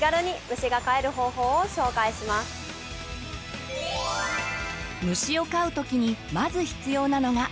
虫を飼う時にまず必要なのが飼育ケース。